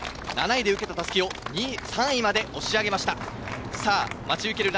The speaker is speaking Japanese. ７位で受けた襷を３位まで押し上げました。